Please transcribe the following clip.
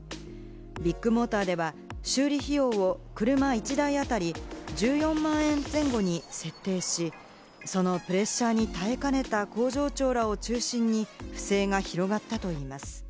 ビッグモーターでは修理費用を車１台当たり１４万円前後に設定し、そのプレッシャーに耐えかねた工場長らを中心に不正が広がったといいます。